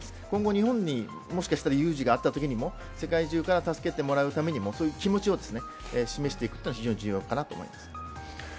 今後、日本に、もしかしたら有事があったときには世界中から助けてもらうためにもそういう気持ちを示していくのは非常に重要かなと思います。